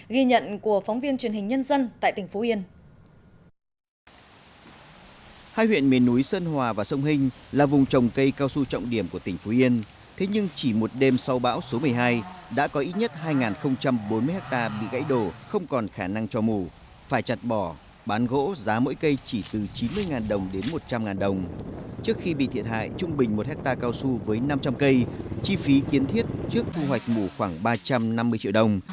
ghi nhận của phóng viên truyền hình nhân dân tại tỉnh phú yên